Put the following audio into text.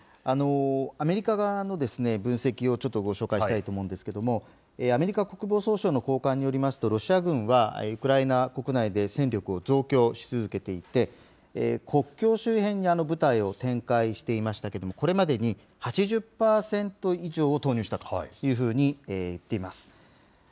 アメリカ側の分析をちょっとご紹介したいと思うんですけれども、アメリカ国防総省の高官によりますと、ロシア軍はウクライナ国内で戦力を増強し続けていて、国境周辺に部隊を展開していましたけれども、これまでに８０％以上を投入したというふうに言っています。